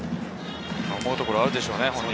思うところがあるでしょうね。